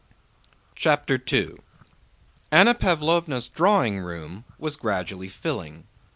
CHAPTER II Anna Pávlovna's drawing room was gradually filling.